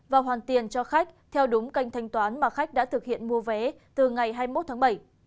và hoàn tiền cho khách theo đúng kênh thanh toán mà khách đã thực hiện mua vé từ ngày hai mươi một tháng bảy